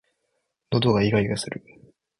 喉がいがいがする